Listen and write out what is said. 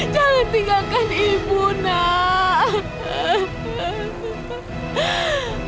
jangan tinggalkan ibu nak